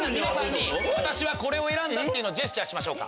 私はこれを選んだっていうのをジェスチャーしましょうか。